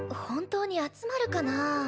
本当に集まるかなあ。